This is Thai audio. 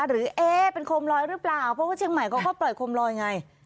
เอ๊ะเป็นโคมลอยหรือเปล่าเพราะว่าเชียงใหม่เขาก็ปล่อยโคมลอยไง